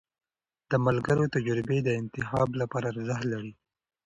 د ملګرو تجربې د انتخاب لپاره ارزښت لري.